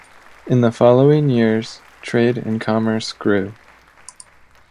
In the following years, trade and commerce grew.